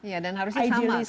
iya dan harusnya sama sekali